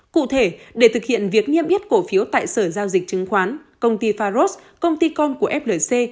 cụ thể để thực hiện việc niêm yết cổ phiếu tại sở giao dịch chứng khoán công ty faros công ty con của flc